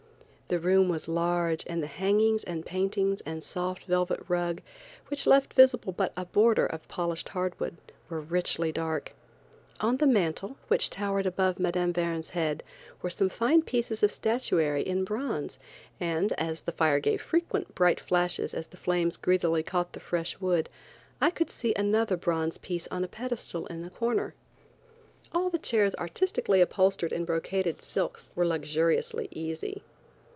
The room was large and the hangings and paintings and soft velvet rug, which left visible but a border of polished hard wood, were richly dark. On the mantel, which towered above Mme. Verne's head, were some fine pieces of statuary in bronze and, as the fire gave frequent bright flashes as the flames greedily caught fresh wood, I could see another bronze piece on a pedestal in a corner. All the chairs artistically upholstered in brocaded silks, were luxuriously easy.